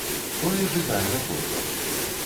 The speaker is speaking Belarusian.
Тое ж і з аэрапортам.